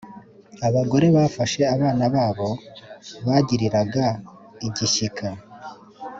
Abagore bafashe abana babo bagiriraga igishyika,